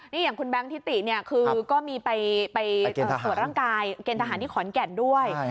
นี่อย่างคุณแบงค์ทิติเนี่ยคือก็มีไปตรวจร่างกายเกณฑหารที่ขอนแก่นด้วย